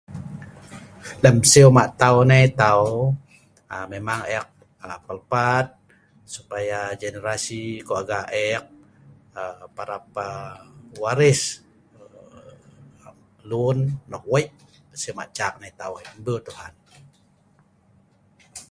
Lem siw ma’ tau nai tau.memang ek palpat generasi keluarga eek, prap waris lun nok Wei siw ma’ tau. Mbul Tuhan.